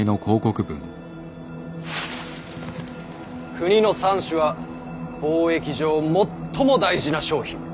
「国の蚕種は貿易上最も大事な商品。